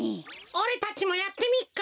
おれたちもやってみっか！